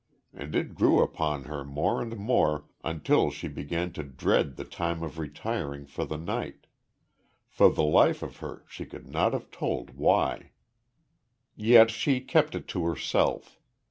And it grew upon her more and more until she began to dread the time of retiring for the night for the life of her she could not have told why. Yet she kept it to herself.